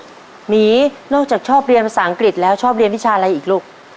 หมีนอกจากชอบเรียนภาษาอังกฤษแล้วชอบเรียนวิชาอะไรอีกลูก